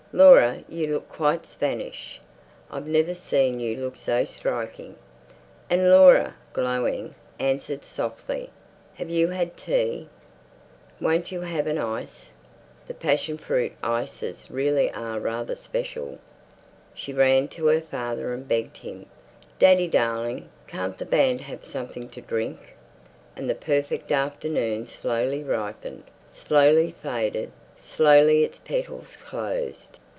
"Laura, you look quite Spanish. I've never seen you look so striking." And Laura, glowing, answered softly, "Have you had tea? Won't you have an ice? The passion fruit ices really are rather special." She ran to her father and begged him. "Daddy darling, can't the band have something to drink?" And the perfect afternoon slowly ripened, slowly faded, slowly its petals closed.